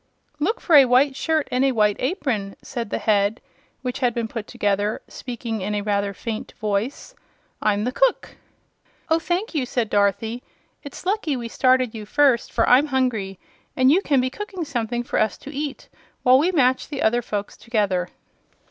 "Look for a white shirt and a white apron," said the head which had been put together, speaking in a rather faint voice. "I'm the cook." "Oh, thank you," said Dorothy. "It's lucky we started you first, for I'm hungry, and you can be cooking something for us to eat while we match the other folks together."